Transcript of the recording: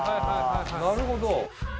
なるほど。